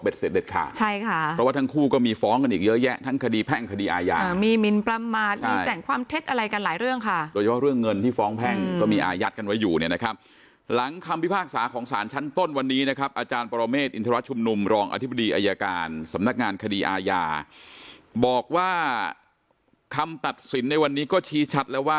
เป็นเสร็จเด็ดค่ะใช่ค่ะเพราะว่าทั้งคู่ก็มีฟ้องกันอีกเยอะแยะทั้งคดีแพ่งคดีอาญามีมินประมาทแจ่งความเท็จอะไรกันหลายเรื่องค่ะเรื่องเงินที่ฟ้องแพ่งก็มีอายัดกันไว้อยู่เนี่ยนะครับหลังคำพิพากษาของศาลชั้นต้นวันนี้นะครับอาจารย์ปรเมฆอินทรวจชุมนุมรองอธิบดีอายการสำนักงานคด